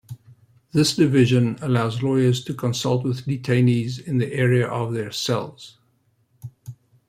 This division allows lawyers to consult with detainees in the area of their cells.